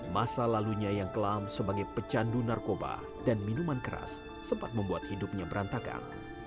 masa lalunya yang kelam sebagai pecandu narkoba dan minuman keras sempat membuat hidupnya berantakan